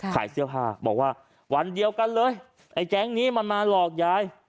ขายเสื้อผ้าบอกว่าวันเดียวกันเลยไอ้แก๊งนี้มันมาหลอกยาย